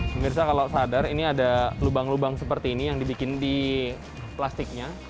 pemirsa kalau sadar ini ada lubang lubang seperti ini yang dibikin di plastiknya